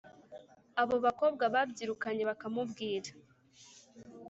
Abo bakobwa babyirukanye bakamubwira